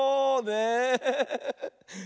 ねえ。